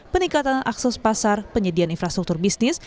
peningkatan akses pasar penyediaan infrastruktur bisnis